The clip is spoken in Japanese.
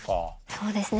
そうですね。